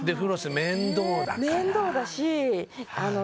面倒だし。